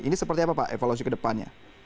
ini seperti apa pak evaluasi ke depannya